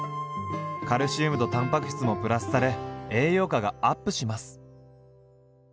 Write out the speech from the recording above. カルシウムとたんぱく質もプラスされ栄養価がアップします。